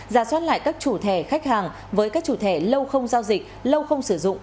giả soát lại các chủ thẻ khách hàng với các chủ thể lâu không giao dịch lâu không sử dụng